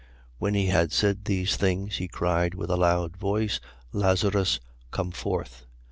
11:43. When he had said these things, he cried with a loud voice: Lazarus, come forth.